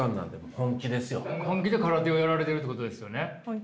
本気で空手をやられてるってことですよね？